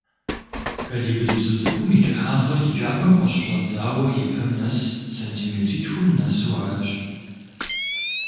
Колибри бзу цIыкIум и кIыхьагъыр и кIапэм къыщыщIэдзауэ и пэм нэс сэнтиметритхум нэсу аращ.